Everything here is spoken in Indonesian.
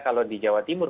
kalau di jawa timur